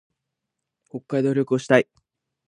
北海道旅行したい。